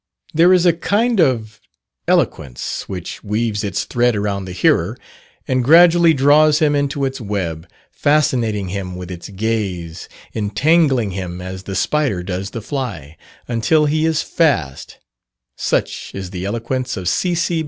There is a kind of eloquence which weaves its thread around the hearer, and gradually draws him into its web, fascinating him with its gaze, entangling him as the spider does the fly, until he is fast: such is the eloquence of C.C.